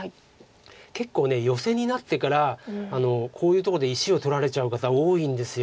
結構ヨセになってからこういうとこで石を取られちゃう方多いんです。